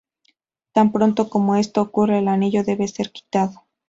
Tan pronto como esto ocurra el anillo debe ser quitado.